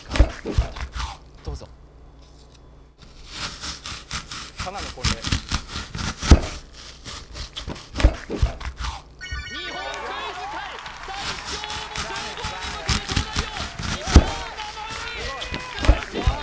答えをどうぞ日本クイズ界最強の称号に向けて東大王伊藤七海！